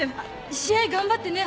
試合頑張ってね